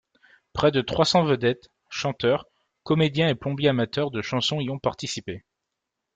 Près de trois cents vedettes, chanteurs, comédiens et plombiers-amateurs de chansons y ont participé.